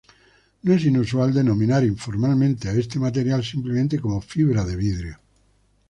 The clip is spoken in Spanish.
No es inusual denominar informalmente a este material simplemente como "fibra de vidrio".